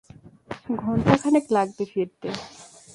ঘন্টাখানেক লাগবে ফিরতে।